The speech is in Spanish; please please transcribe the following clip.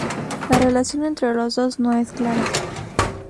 La relación entre los dos no es clara.